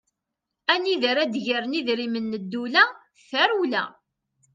Anida ara d-gren idrimen n ddewla, tarewla!